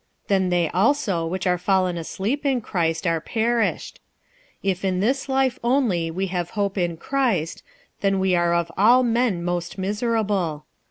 46:015:018 Then they also which are fallen asleep in Christ are perished. 46:015:019 If in this life only we have hope in Christ, we are of all men most miserable.